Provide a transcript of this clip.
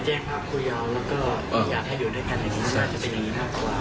จึงเผยแพร่คลิปนี้ออกมา